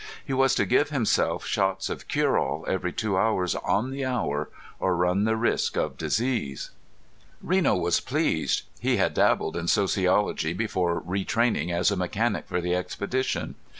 He was to give himself shots of cureall every two hours on the hour or run the risk of disease. Reno was pleased. He had dabbled in sociology before retraining as a mechanic for the expedition.